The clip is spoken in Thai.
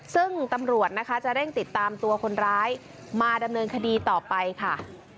ซึ่งตำรวจนะคะจะเร่งติดตามตัวคนร้ายมาดำเนินคดีต่อไปค่ะ